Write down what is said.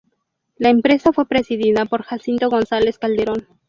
La empresa fue presidida por Jacinto González Calderón.